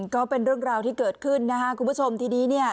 ก็เป็นเรื่องราวที่เกิดขึ้นนะครับคุณผู้ชมทีนี้เนี่ย